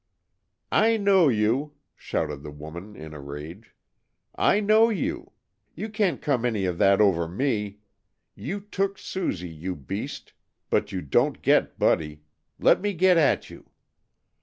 "I know you!" shouted the woman in a rage. "I know you! You can't come any of that over me! You took Susie, you beast, but you don't get Buddy. Let me get at you!"